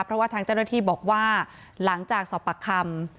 เพราะว่าทางเจ้าหน้าที่บอกว่าหลังจากสอบปากคำ